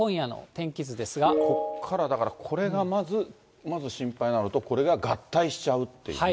ここからだから、これがまず、まず心配なのと、これが合体しちゃうっていうね。